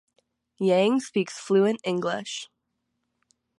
Yang speaks fluent English.